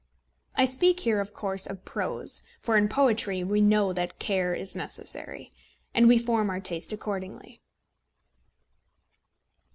I speak here, of course, of prose; for in poetry we know what care is necessary, and we form our taste accordingly.